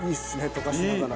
溶かしながら。